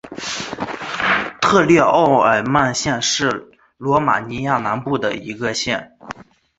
特列奥尔曼县是罗马尼亚南部的一个县。